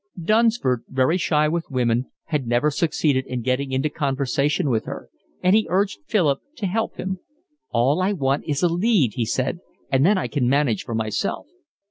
Dunsford, very shy with women, had never succeeded in getting into conversation with her; and he urged Philip to help him. "All I want is a lead," he said, "and then I can manage for myself."